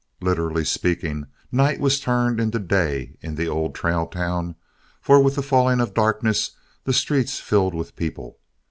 Literally speaking, night was turned into day in the old trail town, for with the falling of darkness, the streets filled with people.